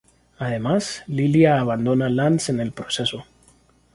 Además, Lilia abandona Lance en el proceso.